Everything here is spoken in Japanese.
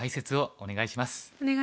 お願いします。